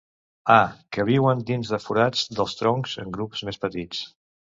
A, que viuen dins de forats dels troncs en grups més petits.